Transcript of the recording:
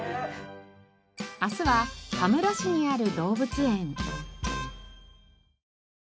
明日は羽村市にある動物園。